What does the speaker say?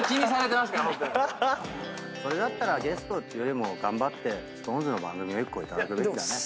それだったらゲストっていうより頑張ってＳｉｘＴＯＮＥＳの番組を１個頂くべきだね。